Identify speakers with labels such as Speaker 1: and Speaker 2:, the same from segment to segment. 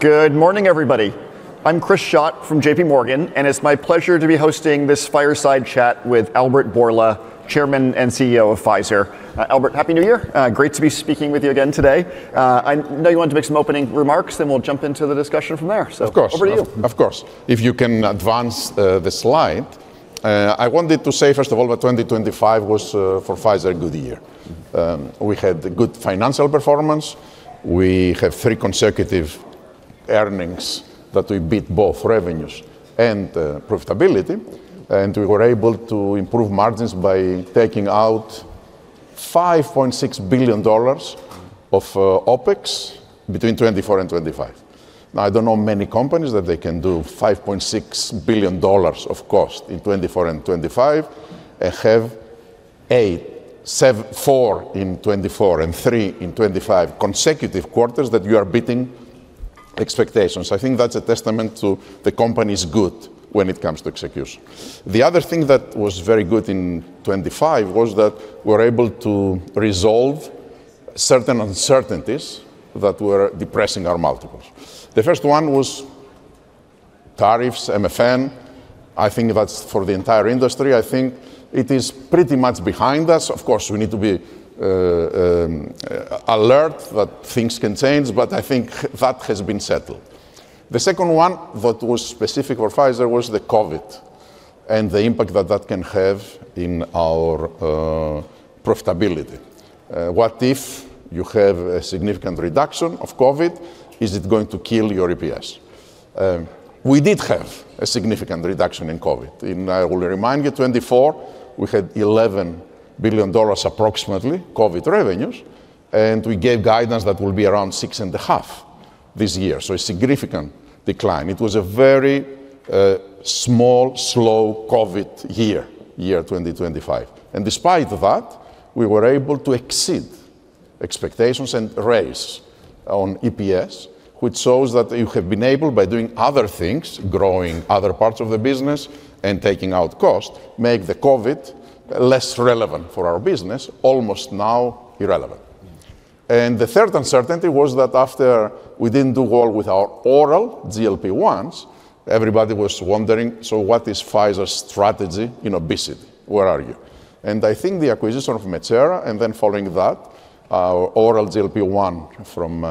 Speaker 1: Good morning, everybody. I'm Chris Schott from JPMorgan, and it's my pleasure to be hosting this fireside chat with Albert Bourla, Chairman and CEO of Pfizer. Albert, happy New Year. Great to be speaking with you again today. I know you wanted to make some opening remarks, then we'll jump into the discussion from there.
Speaker 2: Of course.
Speaker 1: Over to you.
Speaker 2: Of course. If you can advance the slide, I wanted to say, first of all, that 2025 was, for Pfizer, a good year. We had good financial performance. We had three consecutive earnings that we beat both revenues and profitability, and we were able to improve margins by taking out $5.6 billion of OpEx between 2024 and 2025. Now, I don't know many companies that can do $5.6 billion of cost in 2024 and 2025 and have four in 2024 and three in 2025 consecutive quarters that you are beating expectations. I think that's a testament to the company's good when it comes to execution. The other thing that was very good in 2025 was that we were able to resolve certain uncertainties that were depressing our multiples. The first one was tariffs, MFN. I think that's for the entire industry. I think it is pretty much behind us. Of course, we need to be alert that things can change, but I think that has been settled. The second one that was specific for Pfizer was the COVID and the impact that that can have in our profitability. What if you have a significant reduction of COVID? Is it going to kill your EPS? We did have a significant reduction in COVID. And I will remind you, 2024, we had $11 billion, approximately, COVID revenues. And we gave guidance that will be around $6.5 billion this year. So a significant decline. It was a very small, slow COVID year, year 2025. And despite that, we were able to exceed expectations and raise on EPS, which shows that you have been able, by doing other things, growing other parts of the business and taking out cost, make the COVID less relevant for our business, almost now irrelevant. And the third uncertainty was that after we didn't do well with our oral GLP-1s, everybody was wondering, so what is Pfizer's strategy in obesity? Where are you? And I think the acquisition of Metsera, and then following that, our oral GLP-1 from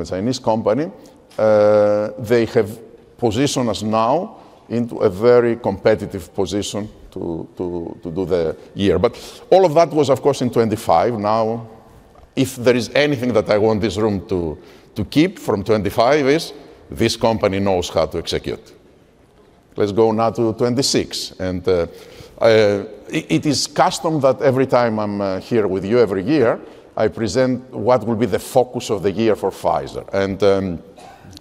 Speaker 2: a Chinese company, they have positioned us now into a very competitive position to do the year. But all of that was, of course, in 2025. Now, if there is anything that I want this room to keep from 2025 is this company knows how to execute. Let's go now to 2026. And it is custom that every time I'm here with you every year, I present what will be the focus of the year for Pfizer. And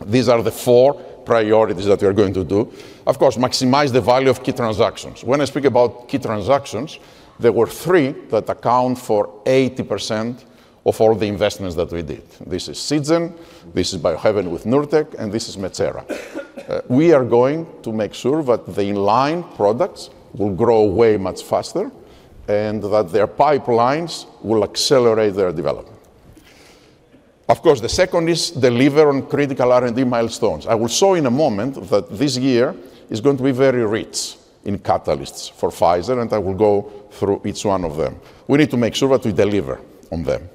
Speaker 2: these are the four priorities that we are going to do. Of course, maximize the value of key transactions. When I speak about key transactions, there were three that account for 80% of all the investments that we did. This is Seagen, this is Biohaven with Nurtec, and this is Metsera. We are going to make sure that the inline products will grow way much faster and that their pipelines will accelerate their development. Of course, the second is deliver on critical R&D milestones. I will show in a moment that this year is going to be very rich in catalysts for Pfizer, and I will go through each one of them. We need to make sure that we deliver on them.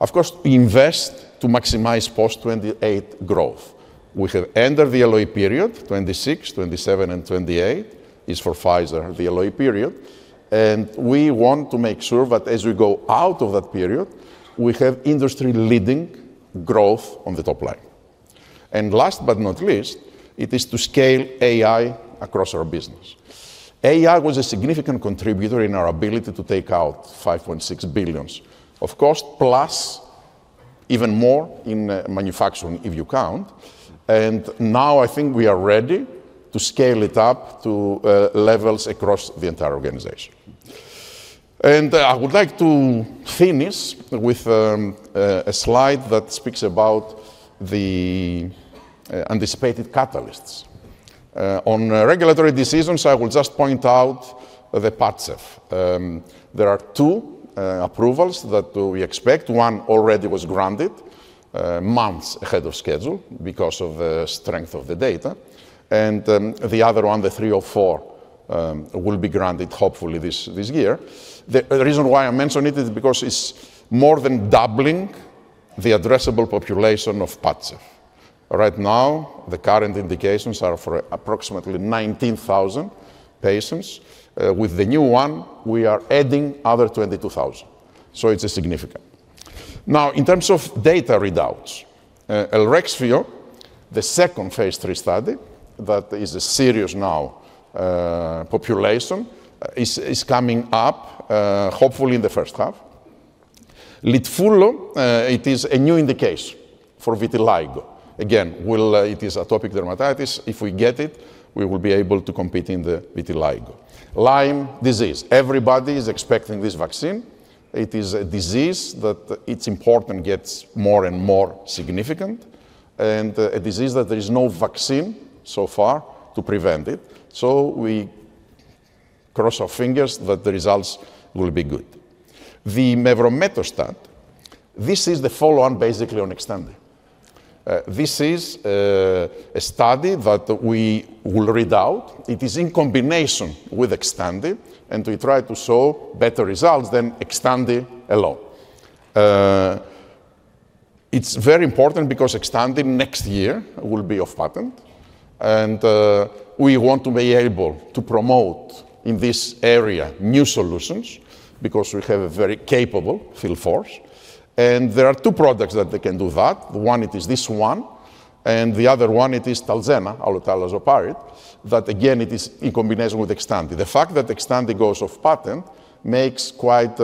Speaker 2: Of course, we invest to maximize post-2028 growth. We have entered the LOE period, 2026, 2027, and 2028 is for Pfizer, the LOE period, and we want to make sure that as we go out of that period, we have industry-leading growth on the top line. Last but not least, it is to scale AI across our business. AI was a significant contributor in our ability to take out $5.6 billion of cost, plus even more in manufacturing if you count. Now I think we are ready to scale it up to levels across the entire organization. I would like to finish with a slide that speaks about the anticipated catalysts. On regulatory decisions, I will just point out the Padcev. There are two approvals that we expect. One already was granted months ahead of schedule because of the strength of the data. The other one, the 304, will be granted, hopefully, this year. The reason why I mention it is because it's more than doubling the addressable population of Padcev. Right now, the current indications are for approximately 19,000 patients. With the new one, we are adding another 22,000. It's significant. Now, in terms of data readouts, Elrexfio, the second phase three study that is a subcutaneous population, is coming up, hopefully, in the first half. Litfullo, it is a new indication for vitiligo. Again, it is atopic dermatitis. If we get it, we will be able to compete in the vitiligo. Lyme disease. Everybody is expecting this vaccine. It is a disease that it's important gets more and more significant. And a disease that there is no vaccine so far to prevent it. We cross our fingers that the results will be good. The Mevrometostat, this is the follow-on basically on Xtandi. This is a study that we will read out. It is in combination with Xtandi, and we try to show better results than Xtandi alone. It's very important because Xtandi next year will be off-patent. And we want to be able to promote in this area new solutions because we have a very capable field force. And there are two products that can do that. One, it is this one. And the other one, it is Talzenna, talazoparib, that again, it is in combination with Xtandi. The fact that Xtandi goes off-patent makes quite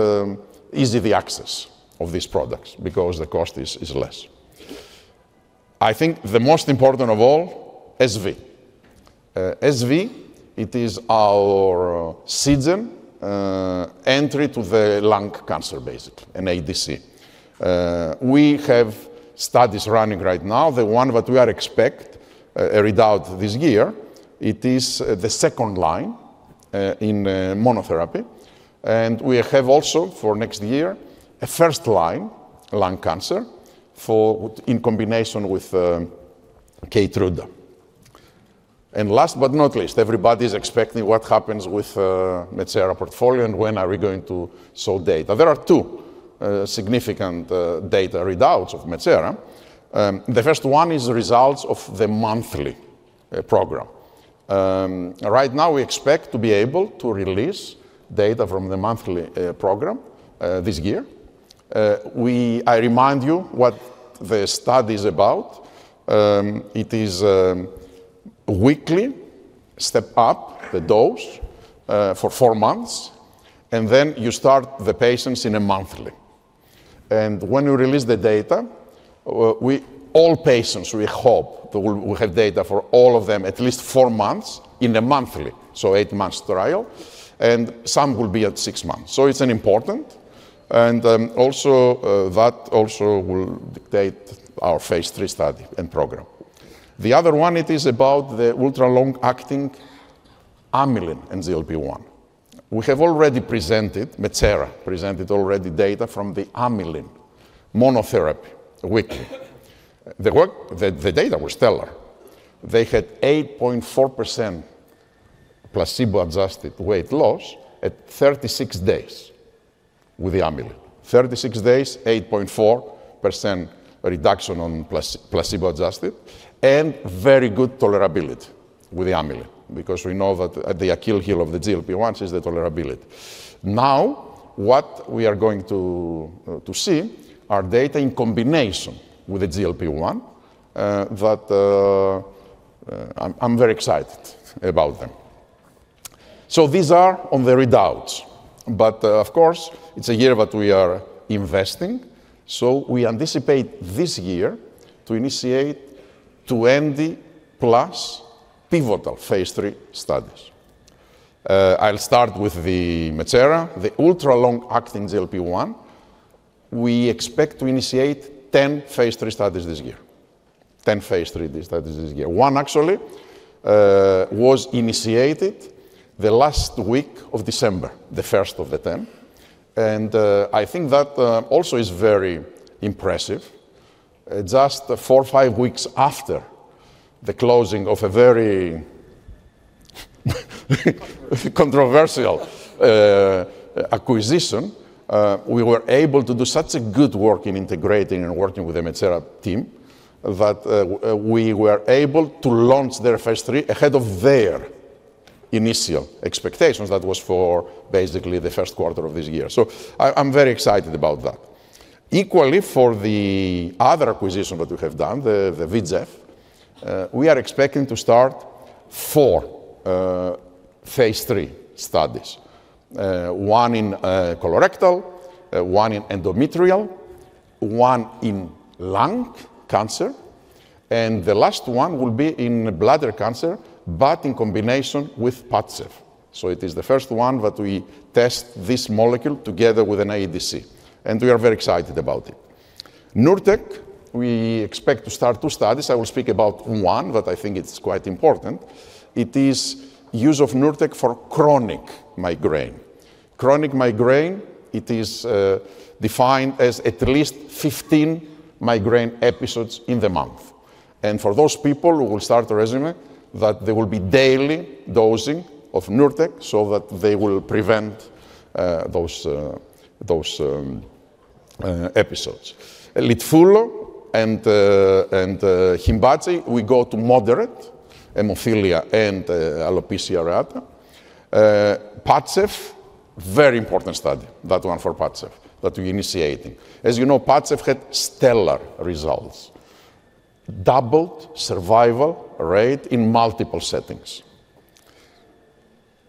Speaker 2: easy the access of these products because the cost is less. I think the most important of all, SV. SV, it is our Seagen entry to the lung cancer, basically, an ADC. We have studies running right now. The one that we are expecting a readout this year, it is the second line in monotherapy. And we have also for next year a first line lung cancer in combination with Keytruda. Last but not least, everybody is expecting what happens with Metsera portfolio and when are we going to show data. There are two significant data readouts of Metsera. The first one is the results of the monthly program. Right now, we expect to be able to release data from the monthly program this year. I remind you what the study is about. It is weekly step up the dose for four months, and then you start the patients in a monthly. And when we release the data, all patients, we hope that we will have data for all of them at least four months in a monthly, so eight-month trial. And some will be at six months. So it's important. And also, that also will dictate our phase three study and program. The other one, it is about the ultra-long-acting amylin and GLP-1. We have already presented. Metsera presented already data from the amylin monotherapy weekly. The data were stellar. They had 8.4% placebo-adjusted weight loss at 36 days with the amylin. 36 days, 8.4% reduction on placebo-adjusted, and very good tolerability with the amylin because we know that the Achilles' heel of the GLP-1 is the tolerability. Now, what we are going to see are data in combination with the GLP-1 that I'm very excited about them. So these are on the readouts. But of course, it's a year that we are investing. So we anticipate this year to initiate 20-plus pivotal phase three studies. I'll start with the Metsera, the ultra-long-acting GLP-1. We expect to initiate 10 phase three studies this year, 10 phase three studies this year. One, actually, was initiated the last week of December, the first of the 10. I think that also is very impressive. Just four or five weeks after the closing of a very controversial acquisition, we were able to do such good work in integrating and working with the Metsera team that we were able to launch their phase 3 ahead of their initial expectations. That was for basically the first quarter of this year. So I'm very excited about that. Equally, for the other acquisition that we have done, the VEGF, we are expecting to start four phase 3 studies: one in colorectal, one in endometrial, one in lung cancer, and the last one will be in bladder cancer, but in combination with Padcev. So it is the first one that we test this molecule together with an ADC. And we are very excited about it. Nurtec, we expect to start two studies. I will speak about one, but I think it's quite important. It is use of Nurtec for chronic migraine. Chronic migraine, it is defined as at least 15 migraine episodes in the month, and for those people, we will start a regimen that there will be daily dosing of Nurtec so that they will prevent those episodes. Litfullo and Hympavzi, we go to moderate hemophilia and alopecia areata. Padcev, very important study, that one for Padcev that we're initiating. As you know, Padcev had stellar results, doubled survival rate in multiple settings,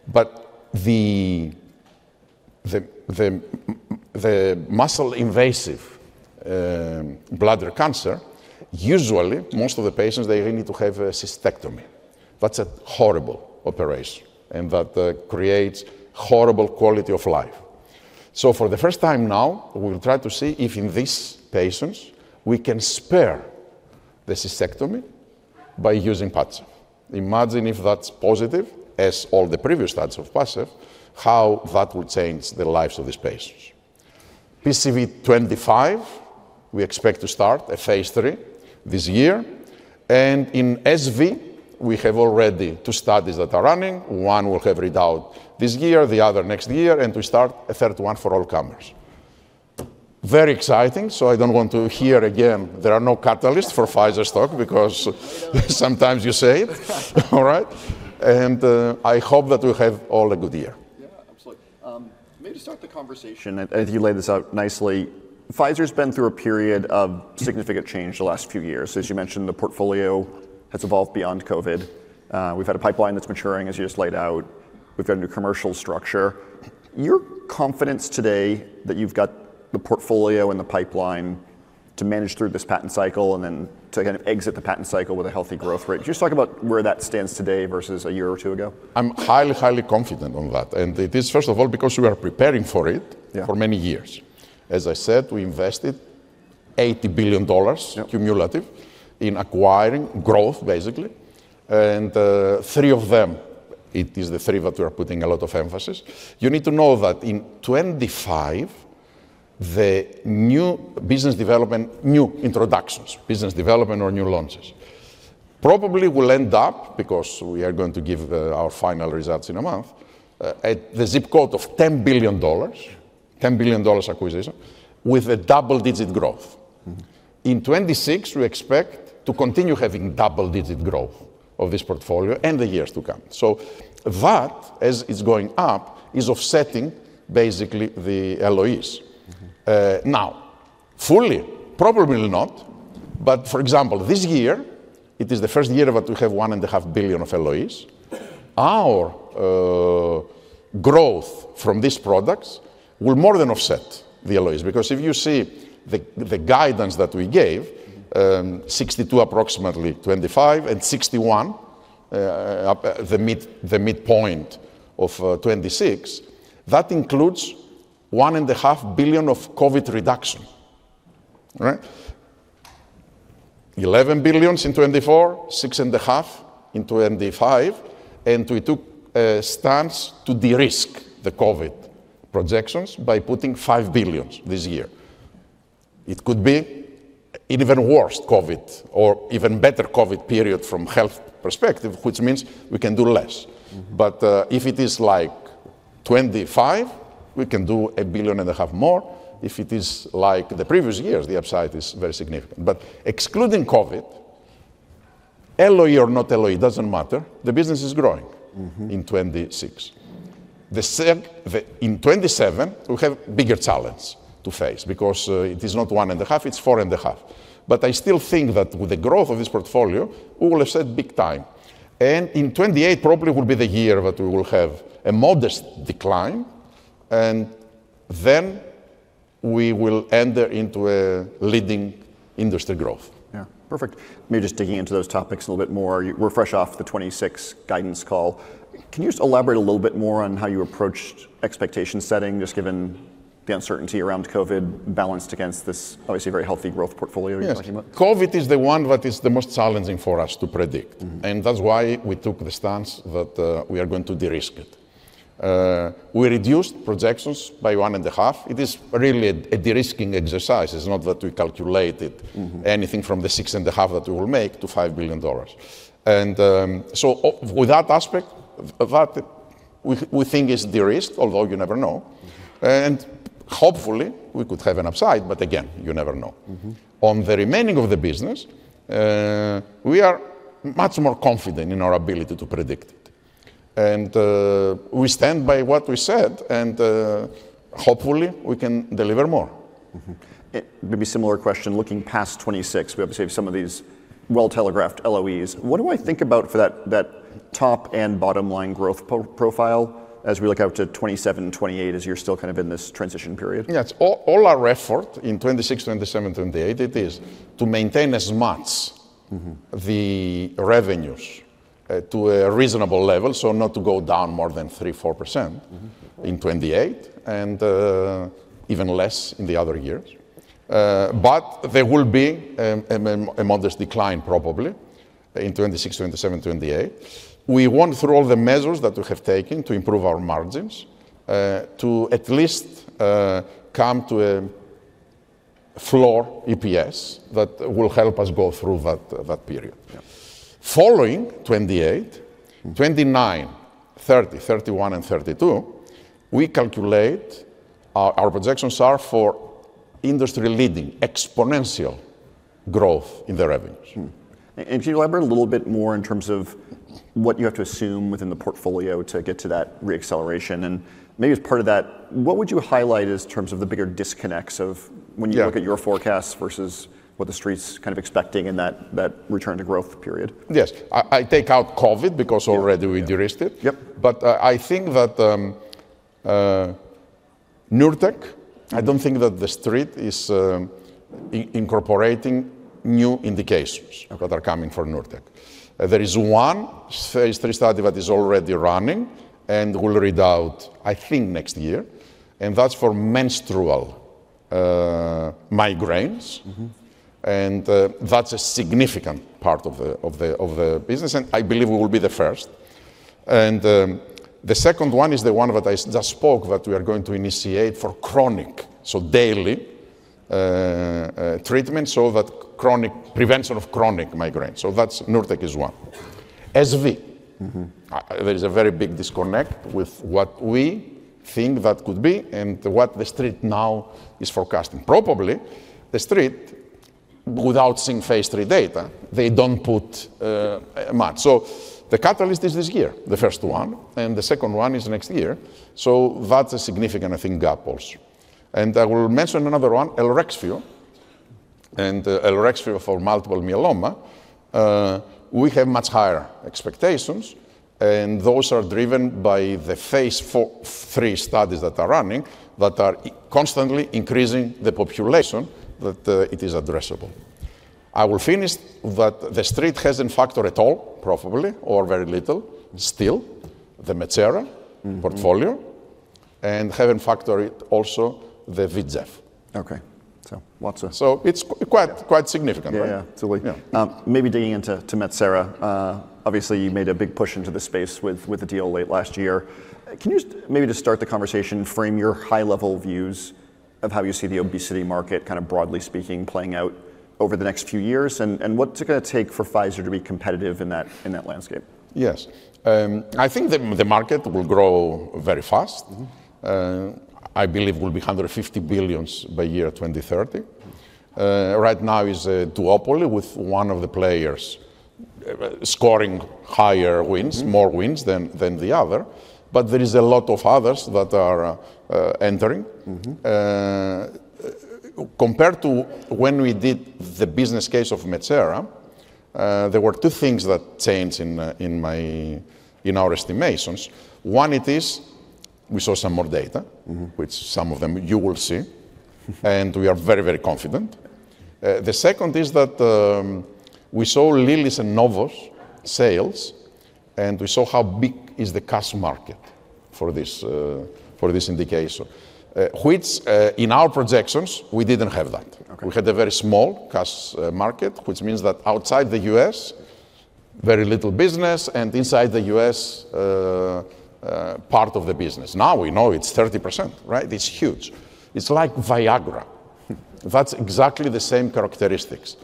Speaker 2: but the muscle-invasive bladder cancer, usually, most of the patients, they really need to have a cystectomy. That's a horrible operation, and that creates horrible quality of life, so for the first time now, we will try to see if in these patients, we can spare the cystectomy by using Padcev. Imagine if that's positive, as all the previous studies of Padcev, how that will change the lives of these patients. PCV25, we expect to start a phase 3 this year. In SV, we have already two studies that are running. One will have readout this year, the other next year, and to start a third one for all comers. Very exciting. I don't want to hear again, there are no catalysts for Pfizer stock because sometimes you say it, all right? I hope that we'll have all a good year. Yeah, absolutely. Maybe to start the conversation, as you laid this out nicely, Pfizer's been through a period of significant change the last few years. As you mentioned, the portfolio has evolved beyond COVID. We've had a pipeline that's maturing, as you just laid out. We've got a new commercial structure. Your confidence today that you've got the portfolio and the pipeline to manage through this patent cycle and then to kind of exit the patent cycle with a healthy growth rate, could you just talk about where that stands today versus a year or two ago? I'm highly, highly confident on that, and it is, first of all, because we are preparing for it for many years. As I said, we invested $80 billion cumulative in acquiring growth, basically, and three of them, it is the three that we are putting a lot of emphasis. You need to know that in 2025, the new business development, new introductions, business development or new launches probably will end up, because we are going to give our final results in a month, at the zip code of $10 billion, $10 billion acquisition with a double-digit growth. In 2026, we expect to continue having double-digit growth of this portfolio and the years to come, so that, as it's going up, is offsetting basically the LOEs. Now, fully, probably not. But for example, this year, it is the first year that we have $1.5 billion of LOEs. Our growth from these products will more than offset the LOEs. Because if you see the guidance that we gave, approximately $62 billion in 2025 and $61 billion, the midpoint of 2026, that includes $1.5 billion of COVID reduction, right? $11 billion in 2024, $6.5 billion in 2025, and we took a stance to de-risk the COVID projections by putting $5 billion this year. It could be an even worse COVID or even better COVID period from a health perspective, which means we can do less. But if it is like 2025, we can do $1.5 billion more. If it is like the previous years, the upside is very significant. But excluding COVID, LOE or not LOE, it doesn't matter. The business is growing in 2026. In 2027, we have a bigger challenge to face because it is not $1.5 billion, it's $4.5 billion. But I still think that with the growth of this portfolio, we will offset big time. And in 2028, probably will be the year that we will have a modest decline, and then we will enter into a leading industry growth.
Speaker 1: Yeah, perfect. Maybe just digging into those topics a little bit more. We're fresh off the 2026 guidance call. Can you just elaborate a little bit more on how you approached expectation setting, just given the uncertainty around COVID balanced against this, obviously, very healthy growth portfolio you're talking about?
Speaker 2: Yes, COVID is the one that is the most challenging for us to predict. And that's why we took the stance that we are going to de-risk it. We reduced projections by one and a half. It is really a de-risking exercise. It's not that we calculated anything from the six and a half that we will make to $5 billion. And so with that aspect, that we think is de-risked, although you never know. And hopefully, we could have an upside, but again, you never know. On the remaining of the business, we are much more confident in our ability to predict it. And we stand by what we said, and hopefully, we can deliver more.
Speaker 1: Maybe a similar question. Looking past 2026, we have to save some of these well-telegraphed LOEs. What do I think about for that top and bottom line growth profile as we look out to 2027 and 2028 as you're still kind of in this transition period? Yeah, all our effort in 2026, 2027, 2028, it is to maintain as much the revenues to a reasonable level, so not to go down more than 3-4% in 2028, and even less in the other years. But there will be a modest decline probably in 2026, 2027, 2028. We went through all the measures that we have taken to improve our margins to at least come to a floor EPS that will help us go through that period. Following 2028, 2029, 2030, 2031, and 2032, we calculate our projections are for industry-leading exponential growth in the revenues. Can you elaborate a little bit more in terms of what you have to assume within the portfolio to get to that reacceleration? Maybe as part of that, what would you highlight in terms of the bigger disconnects when you look at your forecasts versus what the street's kind of expecting in that return to growth period?
Speaker 2: Yes, I take out COVID because already we de-risked it. But I think that Nurtec, I don't think that the street is incorporating new indications that are coming for Nurtec. There is one phase three study that is already running and will read out, I think, next year. And that's for menstrual migraines. And that's a significant part of the business. And I believe we will be the first. And the second one is the one that I just spoke that we are going to initiate for chronic, so daily treatment, so that chronic prevention of chronic migraines. So that's Nurtec is one. SV, there is a very big disconnect with what we think that could be and what the street now is forecasting. Probably the street, without seeing phase 3 data, they don't put much. So the catalyst is this year, the first one, and the second one is next year. So that's a significant, I think, gap also. And I will mention another one, Elrexfio. And Elrexfio for multiple myeloma, we have much higher expectations. And those are driven by the phase 3 studies that are running that are constantly increasing the population. That it is addressable. I will finish that the street hasn't factored at all, probably, or very little still, the Metsera portfolio, and haven't factored also the VEGF. Okay, so lots of. So it's quite significant, right?
Speaker 1: Yeah, totally. Maybe digging into Metsera, obviously, you made a big push into the space with the deal late last year. Can you just maybe to start the conversation, frame your high-level views of how you see the obesity market, kind of broadly speaking, playing out over the next few years? And what's it going to take for Pfizer to be competitive in that landscape?
Speaker 2: Yes, I think the market will grow very fast. I believe we'll be $150 billion by 2030. Right now is duopoly with one of the players scoring higher wins, more wins than the other. But there is a lot of others that are entering. Compared to when we did the business case of Metsera, there were two things that changed in our estimations. One, it is we saw some more data, which some of them you will see. And we are very, very confident. The second is that we saw Lilly's and Novo's sales, and we saw how big is the cash market for this indication, which in our projections, we didn't have that. We had a very small cash market, which means that outside the US, very little business, and inside the US, part of the business. Now we know it's 30%, right? It's huge. It's like Viagra. That's exactly the same characteristics.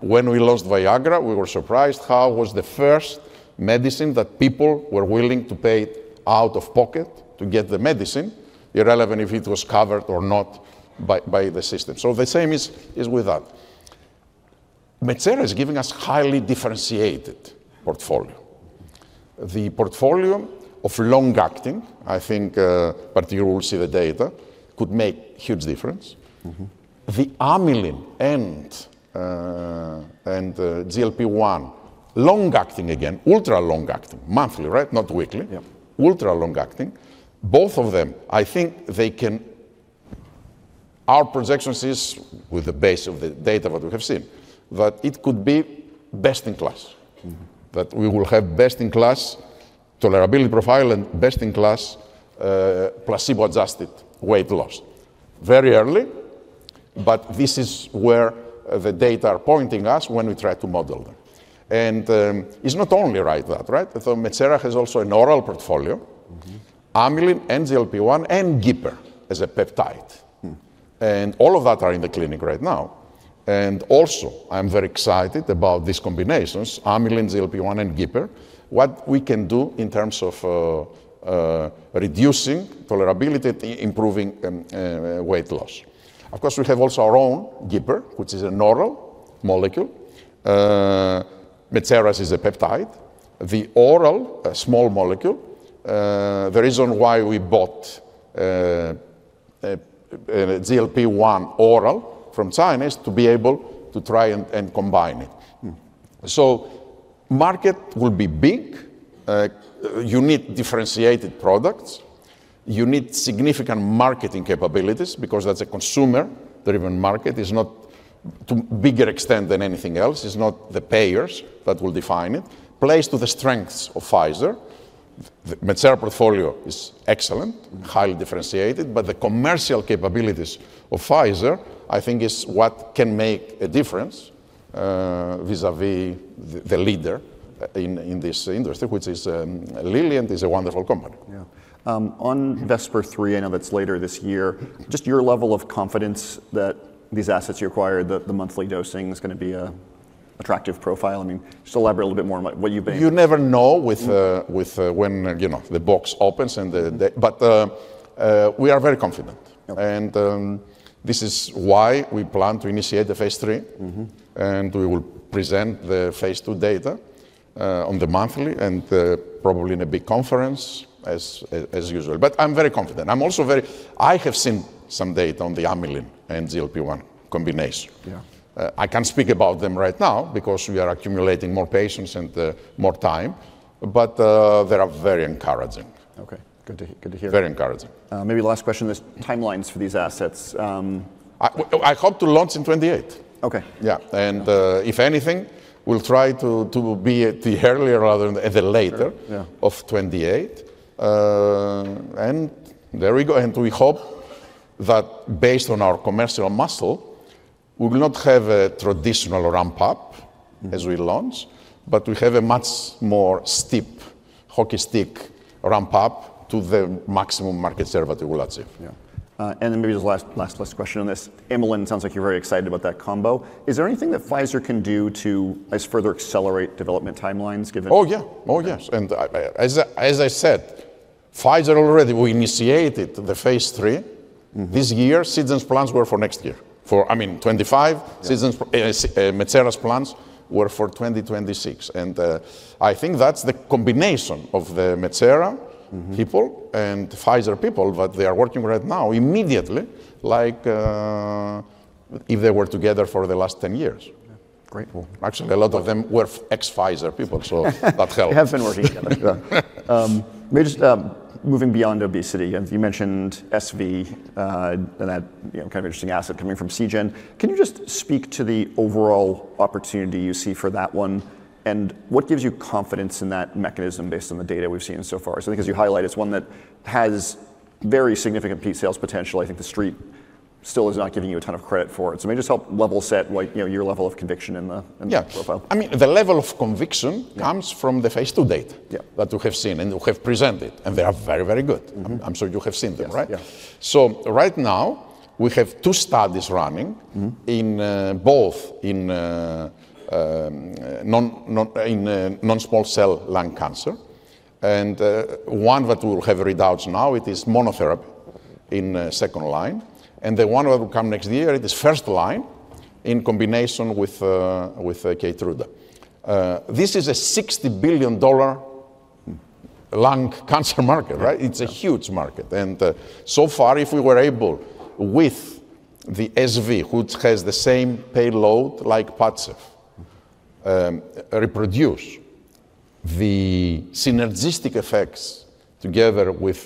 Speaker 2: When we lost Viagra, we were surprised how it was the first medicine that people were willing to pay out of pocket to get the medicine, irrelevant if it was covered or not by the system. So the same is with that. Metsera is giving us a highly differentiated portfolio. The portfolio of long-acting, I think, particularly we'll see the data, could make a huge difference. The Amylin and GLP-1, long-acting again, ultra long-acting, monthly, right? Not weekly, ultra long-acting. Both of them, I think they can our projections is with the base of the data that we have seen that it could be best in class, that we will have best in class tolerability profile and best in class placebo-adjusted weight loss. Very early, but this is where the data are pointing us when we try to model them. And it's not only right that, right? So Metsera has also an oral portfolio, Amylin and GLP-1 and GIPR as a peptide. And all of that are in the clinic right now. And also, I'm very excited about these combinations, Amylin, GLP-1, and GIPR, what we can do in terms of reducing tolerability and improving weight loss. Of course, we have also our own GIPR, which is an oral molecule. Metsera is a peptide. The oral, a small molecule, the reason why we bought GLP-1 oral from China is to be able to try and combine it. So market will be big. You need differentiated products. You need significant marketing capabilities because that's a consumer-driven market. It's not to a bigger extent than anything else. It's not the payers that will define it. Plays to the strengths of Pfizer. Metsera portfolio is excellent, highly differentiated. But the commercial capabilities of Pfizer, I think, is what can make a difference vis-à-vis the leader in this industry, which is Lilly and is a wonderful company.
Speaker 1: Yeah, on Vesper 3, I know that's later this year. Just your level of confidence that these assets you acquired, the monthly dosing is going to be an attractive profile? I mean, just elaborate a little bit more on what you've been.
Speaker 2: You never know when the box opens. But we are very confident. And this is why we plan to initiate the phase three. And we will present the phase two data on the monthly and probably in a big conference as usual. But I'm very confident. I'm also very, I have seen some data on the Amylin and GLP-1 combination. I can't speak about them right now because we are accumulating more patients and more time. But they are very encouraging. Okay, good to hear. Very encouraging.
Speaker 1: Maybe last question, there's timelines for these assets.
Speaker 2: I hope to launch in 2028.
Speaker 1: Okay.
Speaker 2: Yeah, and if anything, we'll try to be the earlier rather than the later of 2028. And there we go. And we hope that based on our commercial muscle, we will not have a traditional ramp-up as we launch, but we have a much more steep hockey stick ramp-up to the maximum market share that we will achieve.
Speaker 1: Yeah, and then maybe just last question on this. Amylin, it sounds like you're very excited about that combo. Is there anything that Pfizer can do to further accelerate development timelines given?
Speaker 2: Oh, yeah. Oh, yes. And as I said, Pfizer already initiated the phase three this year. Seagen's plans were for next year. I mean, 2025. Metsera's plans were for 2026. And I think that's the combination of the Metsera people and Pfizer people that they are working right now immediately, like if they were together for the last 10 years.
Speaker 1: Great.
Speaker 2: Actually, a lot of them were ex-Pfizer people, so that helped. Have been working together.
Speaker 1: Maybe just moving beyond obesity, you mentioned SV, that kind of interesting asset coming from Seagen. Can you just speak to the overall opportunity you see for that one? And what gives you confidence in that mechanism based on the data we've seen so far? So I think, as you highlight, it's one that has very significant peak sales potential. I think the street still is not giving you a ton of credit for it. So maybe just help level set your level of conviction in the profile.
Speaker 2: Yeah, I mean, the level of conviction comes from the phase 2 data that we have seen and we have presented. And they are very, very good. I'm sure you have seen them, right? Right now, we have two studies running, both in non-small cell lung cancer. One that we will have readouts now is monotherapy in second line. The one that will come next year is first line in combination with Keytruda. This is a $60 billion lung cancer market, right? It's a huge market. So far, if we were able, with the SV, which has the same payload like Padcev, reproduce the synergistic effects together with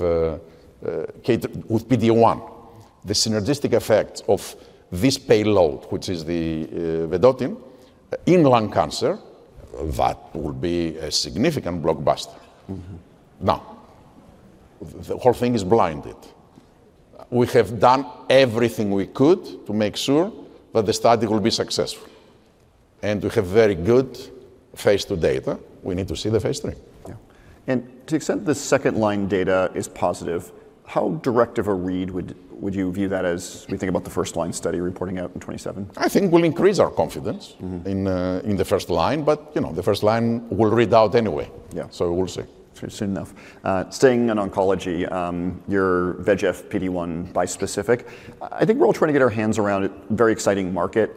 Speaker 2: PD-1, the synergistic effects of this payload, which is the Vedotin in lung cancer, that will be a significant blockbuster. Now, the whole thing is blinded. We have done everything we could to make sure that the study will be successful. We have very good phase two data. We need to see the phase three.
Speaker 1: Yeah, and to the extent the second line data is positive, how direct of a read would you view that as we think about the first line study reporting out in 2027?
Speaker 2: I think we'll increase our confidence in the first line. But the first line will read out anyway. So we'll see. Soon enough.
Speaker 1: Staying in oncology, your VEGF PD-1 bispecific, I think we're all trying to get our hands around it. Very exciting market,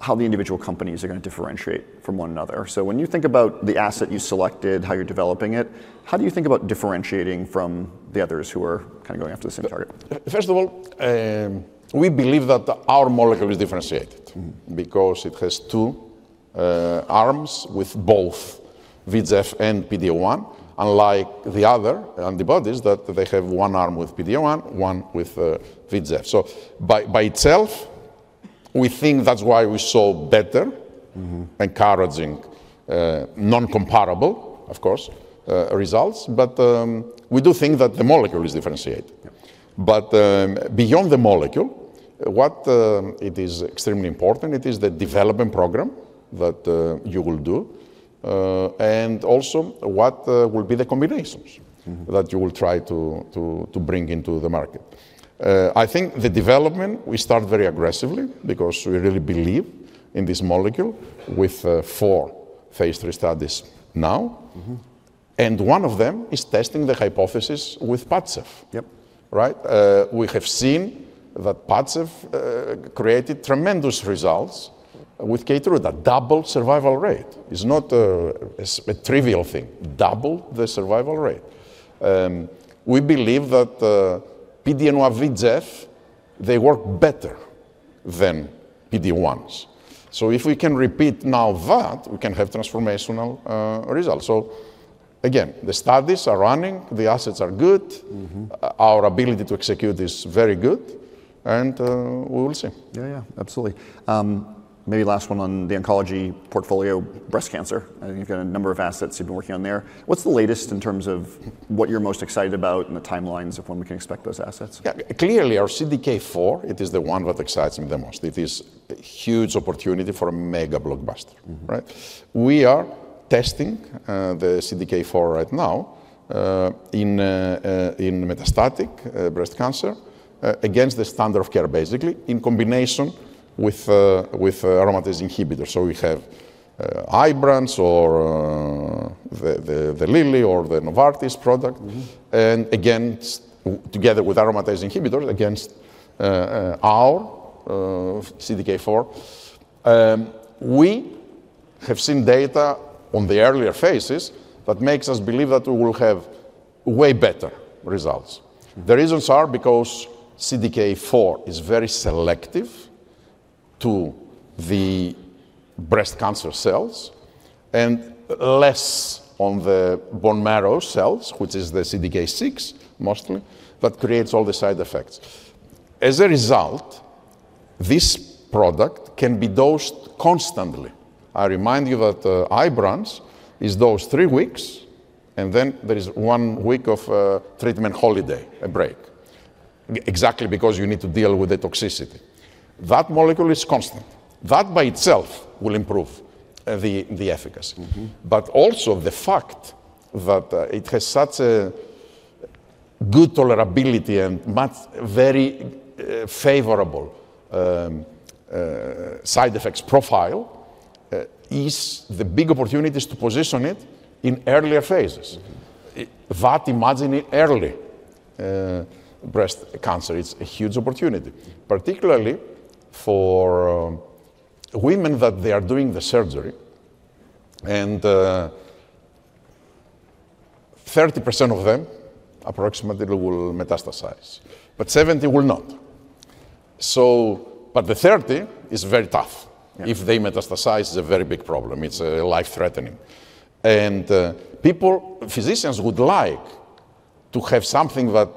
Speaker 1: how the individual companies are going to differentiate from one another. So when you think about the asset you selected, how you're developing it, how do you think about differentiating from the others who are kind of going after the same target?
Speaker 2: First of all, we believe that our molecule is differentiated because it has two arms with both VEGF and PD-1, unlike the other antibodies that they have one arm with PD-1, one with VEGF. So by itself, we think that's why we saw better, encouraging, non-comparable, of course, results. But we do think that the molecule is differentiated. But beyond the molecule, what it is extremely important, it is the development program that you will do. And also, what will be the combinations that you will try to bring into the market? I think the development, we start very aggressively because we really believe in this molecule with four phase 3 studies now. And one of them is testing the hypothesis with Padcev, right? We have seen that Padcev created tremendous results with Keytruda. Double survival rate is not a trivial thing. Double the survival rate. We believe that PD-1, VEGF, they work better than PD-1s. So if we can repeat now that, we can have transformational results. So again, the studies are running. The assets are good. Our ability to execute is very good, and we will see.
Speaker 1: Yeah, yeah, absolutely. Maybe last one on the oncology portfolio, breast cancer. You've got a number of assets you've been working on there. What's the latest in terms of what you're most excited about and the timelines of when we can expect those assets?
Speaker 2: Yeah, clearly, our CDK4, it is the one that excites me the most. It is a huge opportunity for a mega blockbuster, right? We are testing the CDK4 right now in metastatic breast cancer against the standard of care, basically, in combination with aromatase inhibitors. So we have Ibrance or the Lilly or the Novartis product. Again, together with aromatase inhibitors against our CDK4, we have seen data on the earlier phases that makes us believe that we will have way better results. The reasons are because CDK4 is very selective to the breast cancer cells and less on the bone marrow cells, which is the CDK6 mostly, that creates all the side effects. As a result, this product can be dosed constantly. I remind you that Ibrance is dosed three weeks, and then there is one week of treatment holiday, a break, exactly because you need to deal with the toxicity. That molecule is constant. That by itself will improve the efficacy. But also the fact that it has such a good tolerability and very favorable side effects profile is the big opportunities to position it in earlier phases. That in adjuvant early breast cancer, it's a huge opportunity, particularly for women that they are doing the surgery. 30% of them approximately will metastasize, but 70% will not. The 30% is very tough. If they metastasize, it's a very big problem. It's life-threatening. Physicians would like to have something that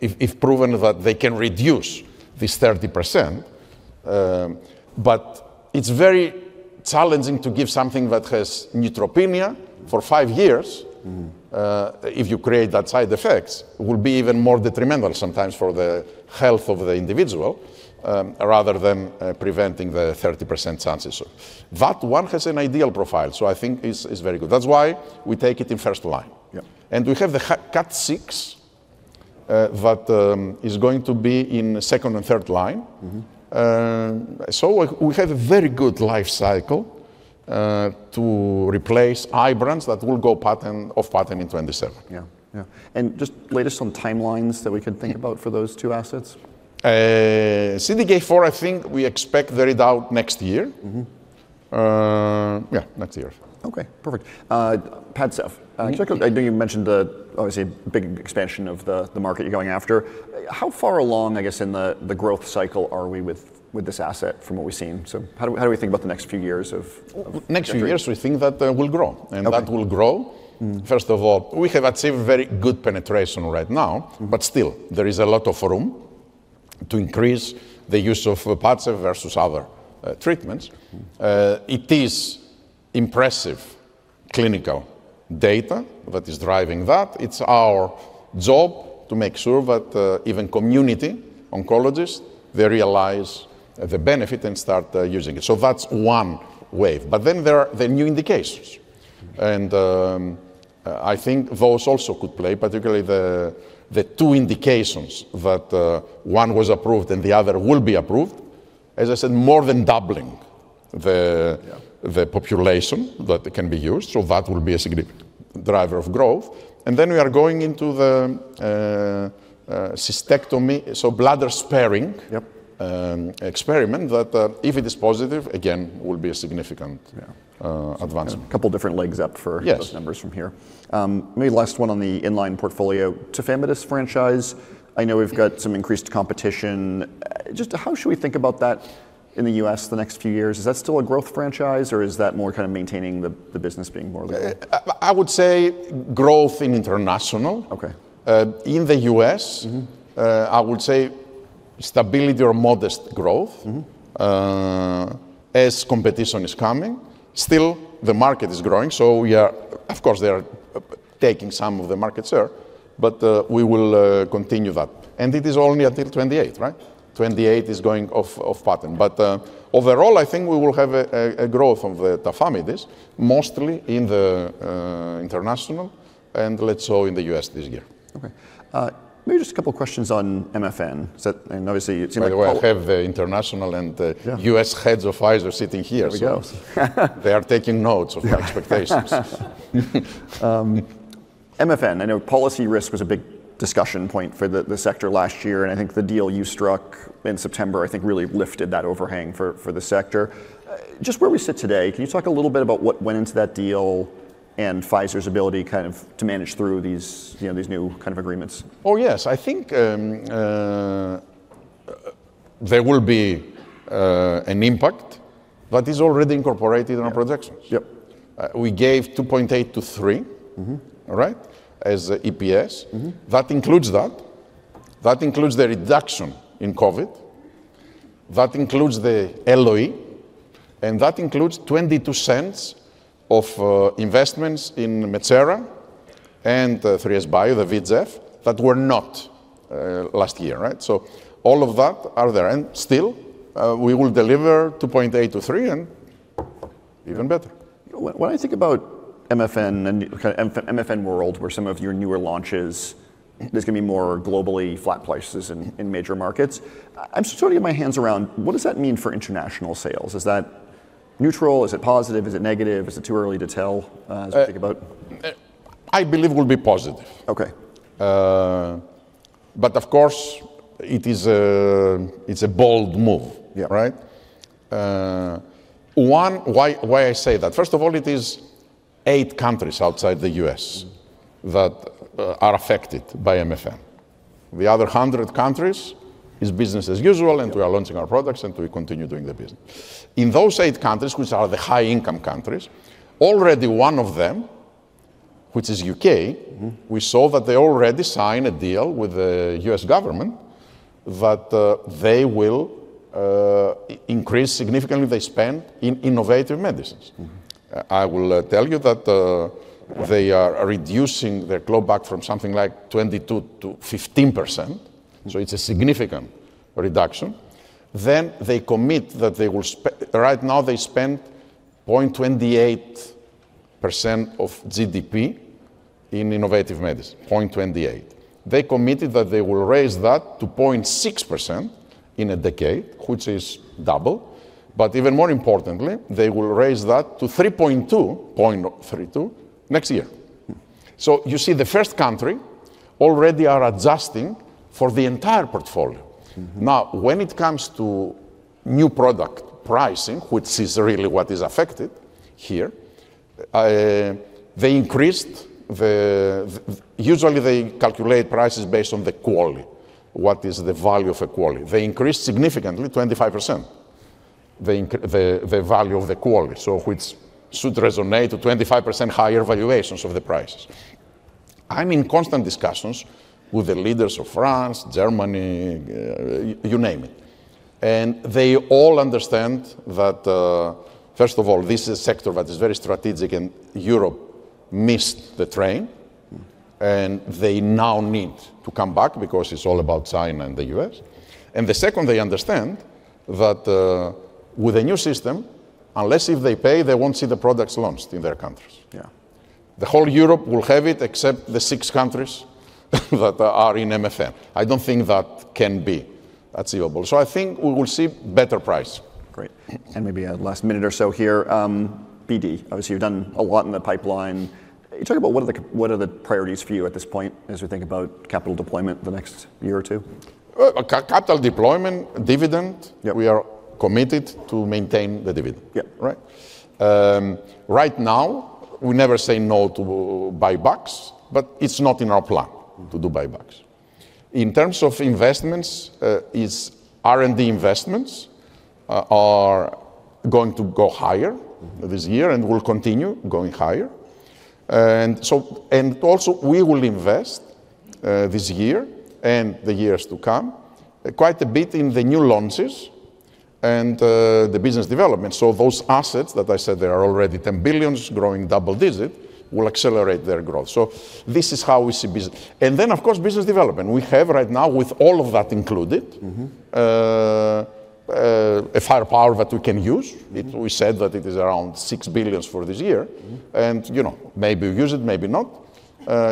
Speaker 2: is proven that they can reduce this 30%. It's very challenging to give something that has neutropenia for five years. If you create that side effects, it will be even more detrimental sometimes for the health of the individual rather than preventing the 30% chances. That one has an ideal profile. I think it's very good. That's why we take it in first line. We have the KAT6 that is going to be in second and third line. So we have a very good life cycle to replace Ibrance that will go off patent in 2027. Yeah, yeah. And just latest on timelines that we could think about for those two assets? CDK4, I think we expect the readout next year.
Speaker 1: Yeah, next year. Okay, perfect. Padcev, I know you mentioned the obviously big expansion of the market you're going after. How far along, I guess, in the growth cycle are we with this asset from what we've seen? So how do we think about the next few years of next few years?
Speaker 2: We think that will grow. And that will grow. First of all, we have achieved very good penetration right now. But still, there is a lot of room to increase the use of Padcev versus other treatments. It is impressive clinical data that is driving that. It's our job to make sure that even community oncologists, they realize the benefit and start using it. So that's one wave. But then there are the new indications. And I think those also could play, particularly the two indications that one was approved and the other will be approved, as I said, more than doubling the population that can be used. So that will be a significant driver of growth. And then we are going into the cystectomy, so bladder sparing experiment that if it is positive, again, will be a significant advancement.
Speaker 1: A couple of different legs up for those numbers from here. Maybe last one on the inline portfolio, Tafamidis franchise. I know we've got some increased competition. Just how should we think about that in the U.S. the next few years? Is that still a growth franchise, or is that more kind of maintaining the business, being more stable?
Speaker 2: I would say growth in international. In the U.S., I would say stability or modest growth as competition is coming. Still, the market is growing. So of course, they are taking some of the market share. But we will continue that. And it is only until 2028, right? 2028 is going off patent. But overall, I think we will have a growth of the Tafamidis, mostly in the international and let's say in the U.S. this year.
Speaker 1: Okay, maybe just a couple of questions on MFN. And obviously, it seems like we have the international and U.S. heads of Pfizer sitting here. There we go. They are taking notes of the expectations. MFN, I know policy risk was a big discussion point for the sector last year. And I think the deal you struck in September, I think really lifted that overhang for the sector. Just where we sit today, can you talk a little bit about what went into that deal and Pfizer's ability kind of to manage through these new kind of agreements?
Speaker 2: Oh, yes. I think there will be an impact that is already incorporated in our projections. We gave 2.8-3, all right, as EPS. That includes that. That includes the reduction in COVID. That includes the LOE. And that includes $0.22 of investments in Metsera and 3SBio, the VEGF that were not last year, right? So all of that are there. And still, we will deliver 2.8-3 and even better.
Speaker 1: When I think about MFN and MFN world, where some of your newer launches is going to be more globally flat prices in major markets, I'm sort of getting my hands around what does that mean for international sales? Is that neutral? Is it positive? Is it negative? Is it too early to tell as we think about?
Speaker 2: I believe it will be positive. But of course, it's a bold move, right? One, why I say that? First of all, it is eight countries outside the U.S. that are affected by MFN. The other 100 countries is business as usual, and we are launching our products, and we continue doing the business. In those eight countries, which are the high-income countries, already one of them, which is U.K., we saw that they already signed a deal with the U.S. government that they will increase significantly their spending in innovative medicines. I will tell you that they are reducing their clawback from something like 22% to 15%. So it's a significant reduction. Then they commit that they will. Right now they spend 0.28% of GDP in innovative medicine, 0.28%. They committed that they will raise that to 0.6% in a decade, which is double. But even more importantly, they will raise that to 0.32 next year. So you see the first country already are adjusting for the entire portfolio. Now, when it comes to new product pricing, which is really what is affected here, they increased. Usually they calculate prices based on the quality, what is the value of quality. They increased significantly, 25%, the value of the quality, so which should translate to 25% higher valuations of the prices. I'm in constant discussions with the leaders of France, Germany, you name it. And they all understand that, first of all, this is a sector that is very strategic, and Europe missed the train. And they now need to come back because it's all about China and the U.S. And the second, they understand that with a new system, unless if they pay, they won't see the products launched in their countries. The whole Europe will have it except the six countries that are in MFN. I don't think that can be achievable. So I think we will see better prices.
Speaker 1: Great. And maybe a last minute or so here, BD, obviously, you've done a lot in the pipeline. You talk about what are the priorities for you at this point as we think about capital deployment the next year or two?
Speaker 2: Capital deployment, dividend. We are committed to maintain the dividend. Yeah, right. Right now, we never say no to buybacks, but it's not in our plan to do buybacks. In terms of investments, R&D investments are going to go higher this year and will continue going higher. And also, we will invest this year and the years to come quite a bit in the new launches and the business development. So those assets that I said there are already $10 billion growing double-digit will accelerate their growth. So this is how we see business. And then, of course, business development. We have right now, with all of that included, a firepower that we can use. We said that it is around $6 billion for this year. And maybe we'll use it, maybe not,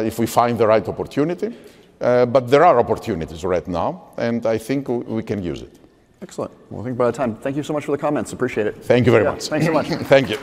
Speaker 2: if we find the right opportunity. But there are opportunities right now, and I think we can use it.
Speaker 1: Excellent. Thank you so much for the comments. Appreciate it.
Speaker 2: Thank you very much.
Speaker 1: Thanks so much. Thank you.